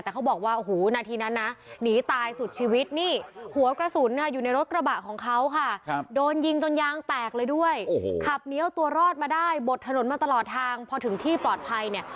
เขาบอกว่าสงสัยจะเป็นคู่อดีตกันแต่ยังไม่แน่ใจว่า